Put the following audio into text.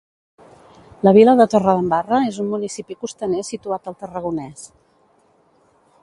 La vila de Torredembarra és un municipi costaner situat al Tarragonès.